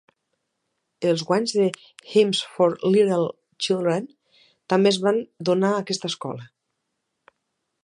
Els guanys de "Hymns for Little Children" també es van donar a aquesta escola.